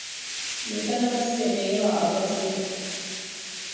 ނުތަނަވަސްވެ ނޭވާއަވަސް ވެފަ